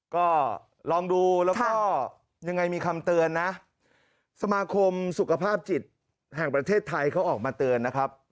ก็ลองดูแล้วก็ยังไงมีคำเตือนนะสมาคมสุขภาพจิตแห่งประเทศไทยเขาออกมาเตือนนะครับ